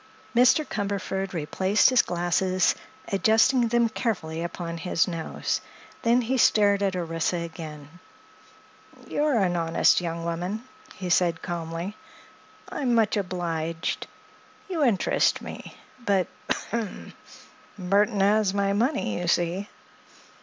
Mr. Cumberford replaced his glasses, adjusting them carefully upon his nose. Then he stared at Orissa again. "You're an honest young woman," he said calmly. "I'm much obliged. You interest me. But—ahem!—Burthon has my money, you see."